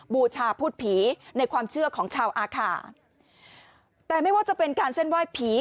บูชาพูดผีในความเชื่อของชาวอาคาแต่ไม่ว่าจะเป็นการเส้นไหว้ผี